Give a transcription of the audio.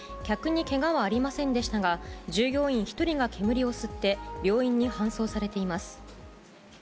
客にけがはありませんでしたが、従業員１人が煙を吸って、病院に搬送されています。